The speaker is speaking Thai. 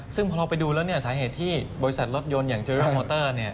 ซึ่งพอเราไปดูแล้วสาเหตุที่บริษัทรถยนต์อย่างเจอเรื่องมอเตอร์